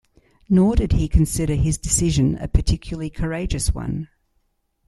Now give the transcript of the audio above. Nor did he consider his decision a particularly courageous one.